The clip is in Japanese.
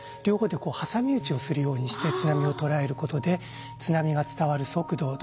両方で挟み撃ちをするようにして津波を捉えることで津波が伝わる速度